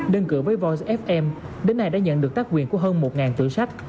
đơn cử với voice app em đến nay đã nhận được tác quyền của hơn một tựa sách